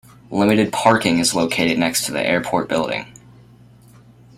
Limited parking is located next to the airport building.